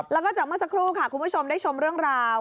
แล้วก็จากเมื่อสักครู่ค่ะคุณผู้ชมได้ชมเรื่องราว